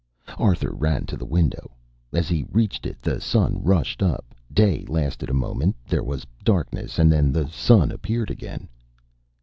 Arthur ran to the window. As he reached it the sun rushed up, day lasted a moment, there was darkness, and then the sun appeared again.